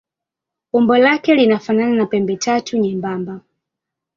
Umbo lake linafanana na pembetatu nyembamba.